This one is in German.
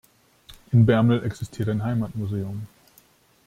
In Bermel existiert ein Heimatmuseum.